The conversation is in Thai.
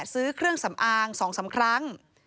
ซื้อเครื่องสำอาง๒๓ครั้ง